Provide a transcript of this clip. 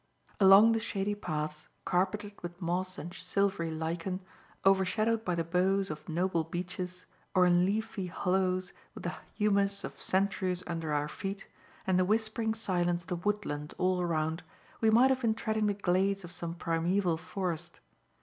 Along the shady paths, carpeted with moss and silvery lichen, overshadowed by the boughs of noble beeches; or in leafy hollows, with the humus of centuries under our feet, and the whispering silence of the woodland all around, we might have been treading the glades of some primeval forest.